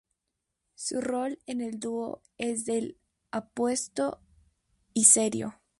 Su rol en el dúo es del "apuesto" y serio.